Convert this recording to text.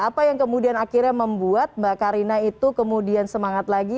apa yang kemudian akhirnya membuat mbak karina itu kemudian semangat lagi